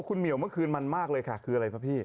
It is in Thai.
คุณเหมียวเมื่อคืนมันมากเลยค่ะคืออะไรครับพี่